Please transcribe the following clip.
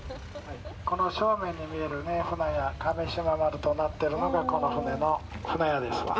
この正面に見える舟屋、「亀島丸」となってるのがこの舟の舟屋ですわ。